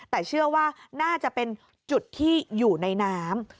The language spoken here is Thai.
แต่เชื่อว่าน่าจะเป็นจุดที่อยู่ในน้ำ